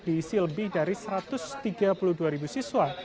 diisi lebih dari satu ratus tiga puluh dua ribu siswa